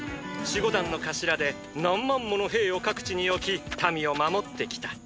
守護団の頭で何万もの兵を各地に置き民を守ってきた！